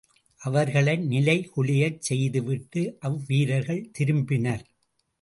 அவர்களை நிலை குலையச் செய்து விட்டு அவ்வீரர்கள் திரும்பினர்.